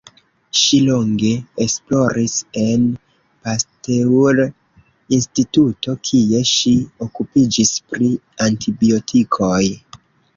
Ŝi longe esploris en Pasteur Instituto, kie ŝi okupiĝis pri antibiotikoj.